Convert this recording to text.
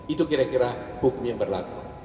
itu kira kira hukum yang berlaku